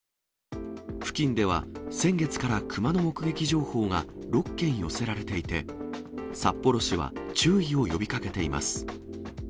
付近では先月から、クマの目撃情報が６件寄せられていて、札幌市は注意を呼びかけています。